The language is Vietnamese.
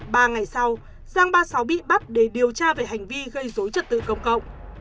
ba ngày sau giang ba mươi sáu bị bắt để điều tra về hành vi gây dối trật tự công cộng